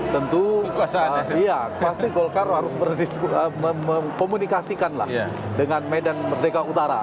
tentu pasti golkar harus berkomunikasikan dengan medan merdeka utara